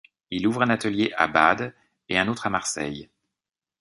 Il ouvre un atelier à Bade et un autre à Marseille.